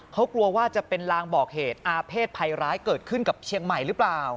เขากลัวว่าจะเป็นลางบอกเหตุอาเภษภัยร้ายเกิดขึ้นกับเชียงใหม่หรือเปล่า